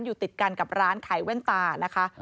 อยู่ติดกันกับร้านขายแว่นตานะคะ